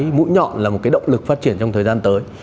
mũi nhọn là một cái động lực phát triển trong thời gian tới